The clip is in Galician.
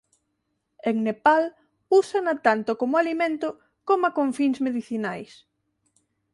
En Nepal úsana tanto como alimento coma con fins medicinais.